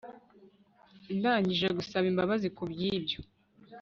ndangije gusaba imbabazi kubwibyo